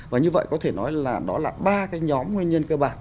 và như vậy có thể nói là đó là ba cái nhóm nguyên nhân cơ bản